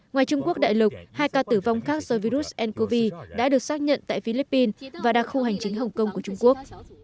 ngoài trung quốc đại lục hai ca tử vong khác do virus ncov đã được xác nhận tại philippines và đặc khu hành chính hồng kông của trung quốc